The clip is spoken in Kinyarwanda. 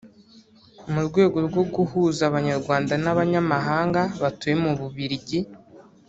mu rwego rwo guhuza Abanyarwanda n’abanyamahanga batuye mu Bubiligi